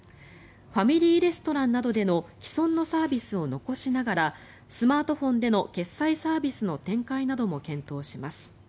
ファミリーレストランなどでの既存のサービスを残しながらスマートフォンでの決済サービスの展開なども検討します。